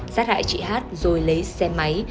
sát hại chị hát rồi lấy xe máy